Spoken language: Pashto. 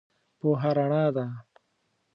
پوهه رنا ده.